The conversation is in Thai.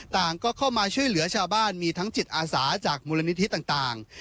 ต่างก็เข้ามาช่วยเหลือชาวบ้านมีทั้งจิตอาสาจากมูลนิธิต่าง